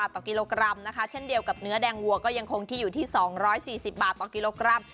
ต่อกิโลกรัมนะคะเช่นเดียวกับเนื้อแดงวัวก็ยังคงที่อยู่ที่๒๔๐บาทต่อกิโลกรัม